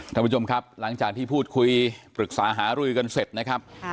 ท่านผู้ชมครับหลังจากที่พูดคุยปรึกษาหารือกันเสร็จนะครับ